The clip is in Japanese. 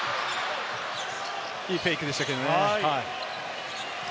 いいフェイクでしたけれどもね。